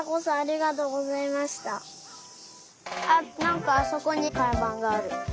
あっなんかあそこにかんばんがある。